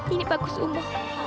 ini pak sumo